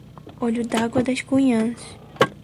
Olho d'Água das Cunhãs